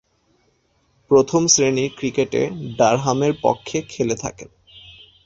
প্রথম-শ্রেণীর ক্রিকেটে ডারহামের পক্ষে খেলে থাকেন।